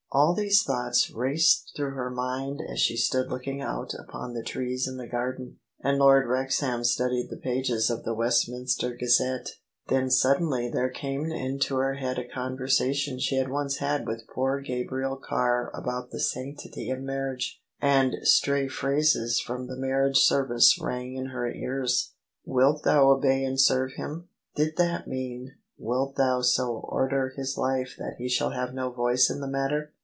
All these thoughts raced through her mind as she stood looking out upon the trees in the garden, and Lord Wrex ham studied the pages of the Westminster Gazette, Then suddenly there came into her head a conversation she had once had with poor Gabriel Carr about the sanctity of marriage; and stray phrases from the marriage service rang in her ears. " Wilt thou obey and serve him? "— did that mean, " Wilt thou so order his life that he shall have no voice in the matter